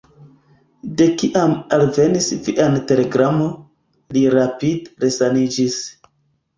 De kiam alvenis via telegramo, li rapide resaniĝis.